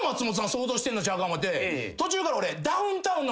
想像してんのちゃうか思うて途中から俺。